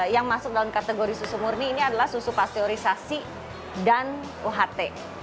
yang masuk dalam kategori susu murni ini adalah susu pasteurisasi dan uht